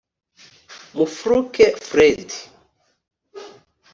Mufulukye Fred